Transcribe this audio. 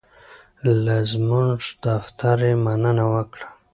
له زمونږ دفتر یې مننه وکړه.